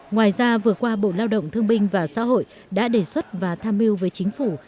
ngoài ra vừa qua bộ lao động thương binh và xã hội đã đề xuất và tham mưu với chính phủ